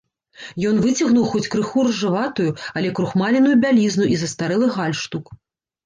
Ён выцягнуў хоць крыху рыжаватую, але крухмаленую бялізну і застарэлы гальштук.